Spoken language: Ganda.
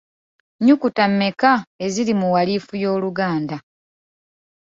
Nnyukuta mmeka eziri mu walifu y’Oluganda?